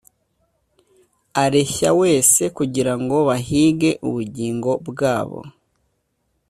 areshya wese kugira ngo bahige ubugingo bwabo